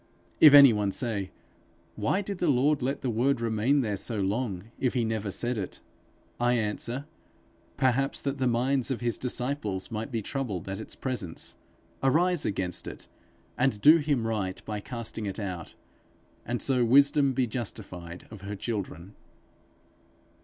If any one say, 'Why did the Lord let the word remain there so long, if he never said it?' I answer: Perhaps that the minds of his disciples might be troubled at its presence, arise against it, and do him right by casting it out and so Wisdom be justified of her children.